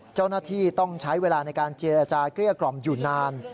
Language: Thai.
เจ้าหน้าที่ต้องใช้เวลาในการเจรจาเกลี้ยกล่อมอยู่นาน